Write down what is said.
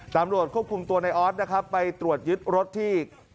ตำรวจควบคุมตัวในออสนะครับไปตรวจยึดรถที่